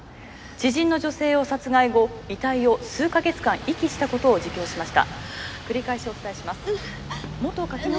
知人の女性を殺害後遺体を数か月間遺棄したことを自供しました。